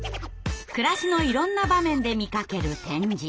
暮らしのいろんな場面で見かける「点字」。